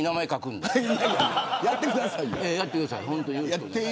やってくださいよ。